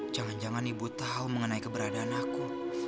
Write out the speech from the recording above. jangan jangan ibu tahu mengenai keberadaan aku